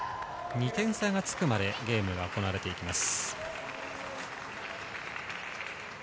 ２点差がつくまでゲームが行われていきます。